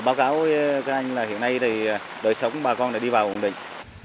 báo cáo các anh là hiện nay thì đời sống bà con đã đi vào ổn định